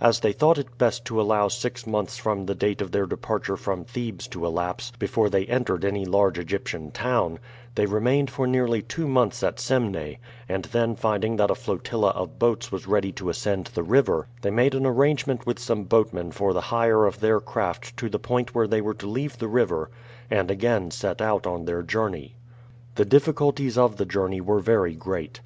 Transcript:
As they thought it best to allow six months from the date of their departure from Thebes to elapse before they entered any large Egyptian town, they remained for nearly two months at Semneh, and then finding that a flotilla of boats was ready to ascend the river, they made an arrangement with some boatmen for the hire of their craft to the point where they were to leave the river and again set out on their journey. The difficulties of the journey were very great.